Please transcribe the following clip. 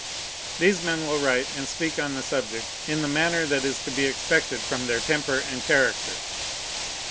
These men will write and speak on the subject in the manner that is to be expected from their temper and character.